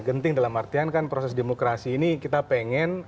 genting dalam artian kan proses demokrasi ini kita pengen